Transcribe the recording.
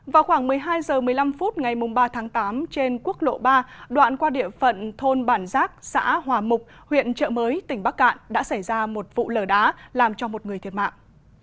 vào khoảng một mươi hai h một mươi năm phút ngày ba tháng tám trên quốc lộ ba đoạn qua địa phận thôn bản giác xã hòa mục huyện trợ mới tỉnh bắc cạn đã xảy ra một vụ lở đá làm cho một người thiệt mạng